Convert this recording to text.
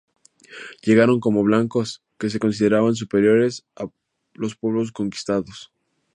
Llegaron como "blancos" que se consideraban superiores a los pueblos conquistados.